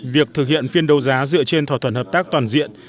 việc thực hiện phiên đấu giá dựa trên thỏa thuận hợp tác toàn diện